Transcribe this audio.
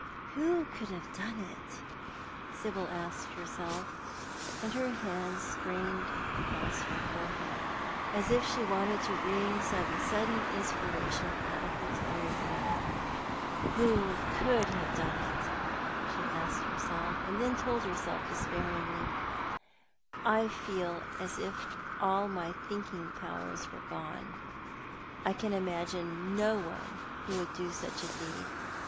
" Who could have done it ?" Sibyl asked herself, with her hands strained across her forehead, as if she wanted to wring some sudden inspiration out of her tired brain —" Y/ho could have done itV" she asked, and then told herself, despairingly, " I feel as if all my thinking powers were gone. I can imagine no one who would do such a deed.